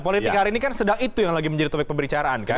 politik hari ini kan sedang itu yang lagi menjadi topik pembicaraan kan